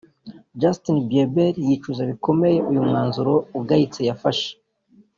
Justin Bieber yicuza bikomeye uyu mwanzuro ugayitse yafashe